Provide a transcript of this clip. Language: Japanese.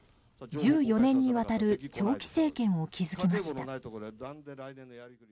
１４年にわたる長期政権を築きました。